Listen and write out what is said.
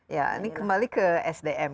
ya ini kembali ke sdm